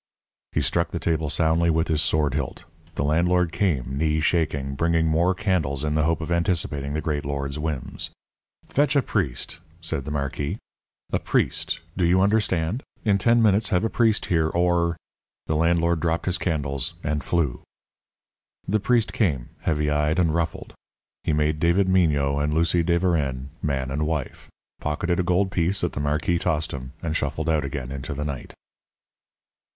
He struck the table soundly with his sword hilt. The landlord came, knee shaking, bringing more candles in the hope of anticipating the great lord's whims. "Fetch a priest," said the marquis, "a priest; do you understand? In ten minutes have a priest here, or " The landlord dropped his candles and flew. The priest came, heavy eyed and ruffled. He made David Mignot and Lucie de Verennes man and wife, pocketed a gold piece that the marquis tossed him, and shuffled out again into the night.